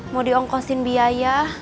mau diongkosin biaya